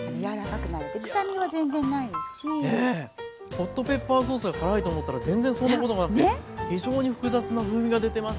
ホットペッパーソースが辛いと思ったら全然そんなこともなくて非常に複雑な風味が出てますね。